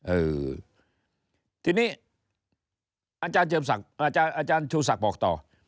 เออทีนี้อาจารย์ชูสักบอกต่อ